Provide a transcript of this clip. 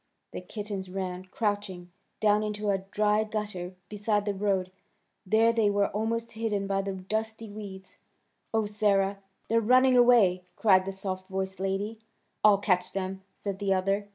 The kittens ran, crouching, down into a dry gutter beside the road. There they were almost hidden by the dusty weeds. "Oh, Sarah! They're running away!" cried the soft voiced lady. "I'll catch them!" said the other.